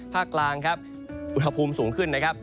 ภาคกลางครับอุณหภูมิสูงขึ้นนะครับ